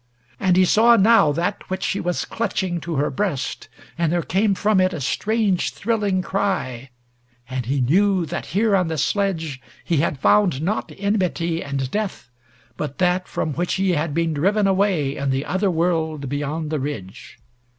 And he saw now that which she was clutching to her breast, and there came from it a strange thrilling cry and he knew that here on the sledge he had found not enmity and death, but that from which he had been driven away in the other world beyond the ridge.